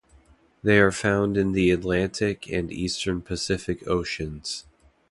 They are found in the Atlantic and eastern Pacific Oceans.